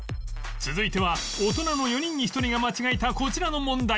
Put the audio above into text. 続いては大人の４人に１人が間違えたこちらの問題